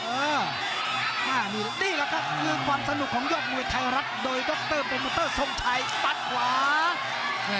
อ่ะนี่ดีแล้วกิฟที่ความสนุกของโยคมือไทยรัฐโดยโรคเตอร์โปรมูเตอร์ทรงไชปัดขวา